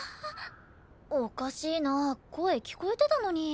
おかしいな声聞こえてたのに。